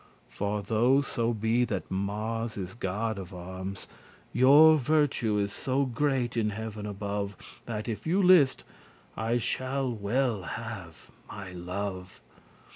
For though so be that Mars is god of arms, Your virtue is so great in heaven above, That, if you list, I shall well have my love.